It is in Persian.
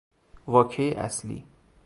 واکه اصلی